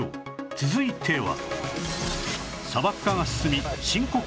続いては